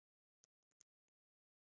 خو دَبابا دَلاس ليکلې